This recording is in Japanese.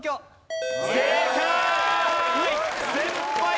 正解！